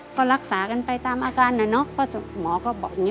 ก็รักษากันไปตามอาการน่ะเนอะหมอก็บอกอย่างนี้